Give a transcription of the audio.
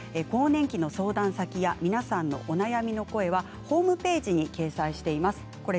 更年期の相談先や皆さんのお悩みの声はホームページに掲載しています。